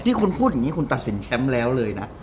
ที่คุณพูดอย่างนี้คุณตัดสินแชมป์แล้วเลยนะ